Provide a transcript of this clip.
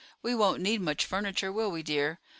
We won't need much furniture, will we, dear?